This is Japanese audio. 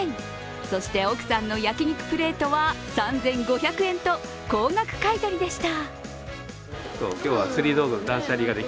そして奥さんの焼き肉プレートは３５００円と高額買い取りでした。